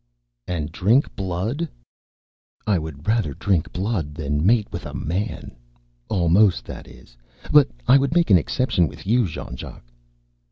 "And drink blood?" "I would rather drink blood than mate with a Man. Almost, that is. But I would make an exception with you, Jean Jacques."